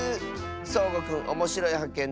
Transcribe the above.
そうごくんおもしろいはっけん